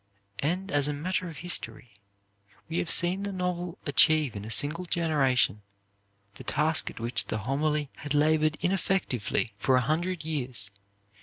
And as a matter of history, we have seen the novel achieve in a single generation the task at which the homily had labored ineffectively for a hundred years.